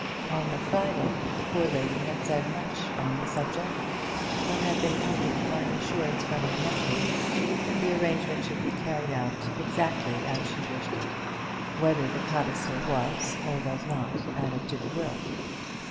On the Friday the poor lady had said much on the subject, but had been comforted by an assurance from her nephew that the arrangement should be carried out exactly as she wished it, whether the codicil was or was not added to the will.